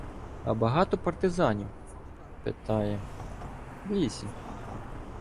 — А багато партизанів, — питає, — в лісі?